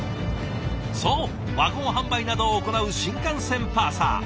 そうワゴン販売などを行う新幹線パーサー。